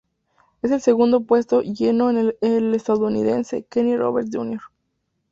En el segundo puesto llegó el estadounidense Kenny Roberts, Jr.